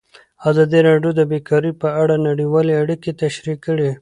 ازادي راډیو د بیکاري په اړه نړیوالې اړیکې تشریح کړي.